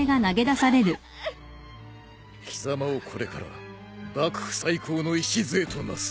貴様をこれから幕府再興の礎となす。